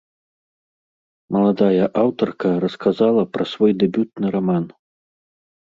Маладая аўтарка расказала пра свой дэбютны раман.